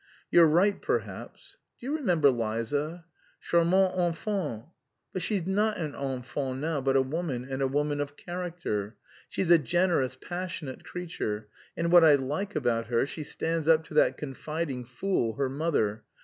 "You're right, perhaps. Do you remember Liza?" "Charmante enfant!" "But she's not an enfant now, but a woman, and a woman of character. She's a generous, passionate creature, and what I like about her, she stands up to that confiding fool, her mother.